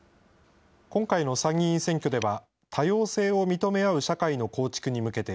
今回の参議院選挙では、多様性を認め合う社会の構築に向けて、